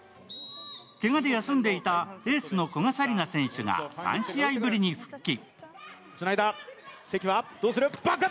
けがで休んでいたエースの古賀紗理那選手が３試合ぶりに復帰。